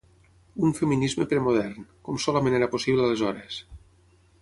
Un feminisme premodern, com solament era possible aleshores.